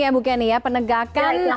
ya bukeni ya penegakan